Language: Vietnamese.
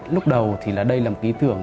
lúc đầu thì đây là một ký tưởng